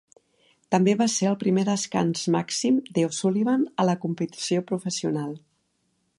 També va ser el primer descans màxim de O'Sullivan a la competició professional.